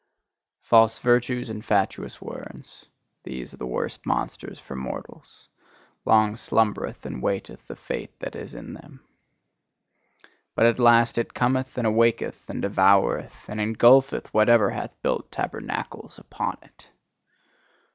False values and fatuous words: these are the worst monsters for mortals long slumbereth and waiteth the fate that is in them. But at last it cometh and awaketh and devoureth and engulfeth whatever hath built tabernacles upon it.